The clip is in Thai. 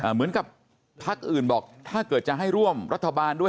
เหมือนกับพักอื่นบอกถ้าเกิดจะให้ร่วมรัฐบาลด้วย